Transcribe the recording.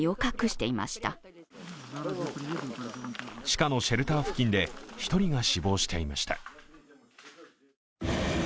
地下のシェルター付近で１人が死亡していました。